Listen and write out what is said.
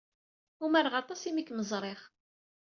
Umareɣ aṭas imi ay kem-ẓriɣ.